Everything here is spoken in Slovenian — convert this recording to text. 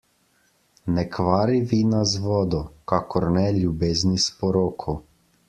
Ne kvari vina z vodo, kakor ne ljubezni s poroko.